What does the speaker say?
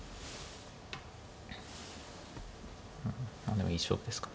でもいい勝負ですか。